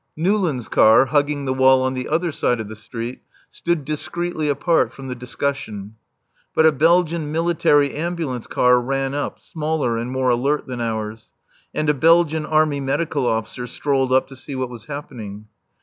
Newlands' car, hugging the wall on the other side of the street, stood discreetly apart from the discussion. But a Belgian military ambulance car ran up, smaller and more alert than ours. And a Belgian Army Medical Officer strolled up to see what was happening.